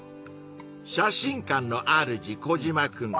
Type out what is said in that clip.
写真館のあるじコジマくん。